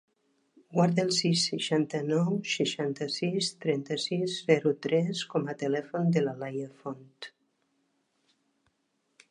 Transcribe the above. Guarda el sis, seixanta-nou, seixanta-sis, trenta-sis, zero, tres com a telèfon de la Laia Fort.